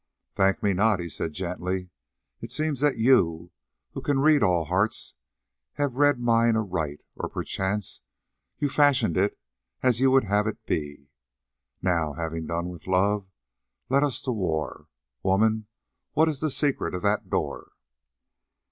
"Thank me not," he said gently. "It seems that you, who can read all hearts, have read mine aright, or perchance you fashioned it as you would have it be. Now, having done with love, let us to war. Woman, what is the secret of that door?"